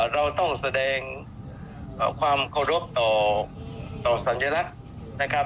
เราต้องแสดงความโครบต่อสัญลักษณ์